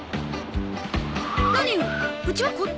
何ようちはこっち？